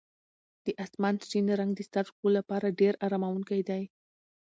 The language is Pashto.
د اسمان شین رنګ د سترګو لپاره ډېر اراموونکی دی.